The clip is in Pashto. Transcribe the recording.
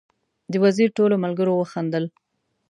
د وزیر ټولو ملګرو وخندل.